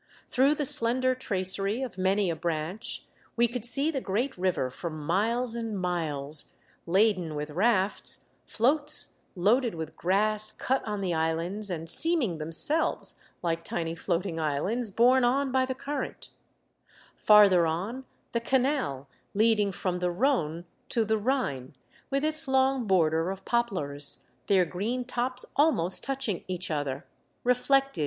Through the slender tracery of many a branch we could see the great river for miles and miles, laden with rafts, floats loaded with grass cut on the islands, and seeming themselves like tiny floating islands borne on by the current; farther on, the canal leading from the Rhone to the Rhine — with its long border of poplars, their green tops almost touching each other, reflected Alsace!